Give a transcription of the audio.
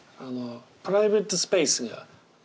プライベートスペースが全然違う。